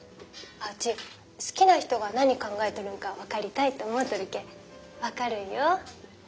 あうち好きな人が何考えとるんか分かりたいて思うとるけん分かるんよ。